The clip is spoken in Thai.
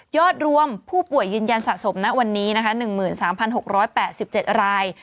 รวมผู้ป่วยยืนยันสะสมณวันนี้นะคะ๑๓๖๘๗ราย